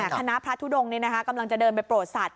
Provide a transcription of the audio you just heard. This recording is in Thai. คณะพระทุดงศ์นี้นะคะกำลังจะเดินไปโปรดศัตริย์